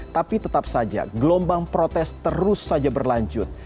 tapi tetap saja gelombang protes terus saja berlanjut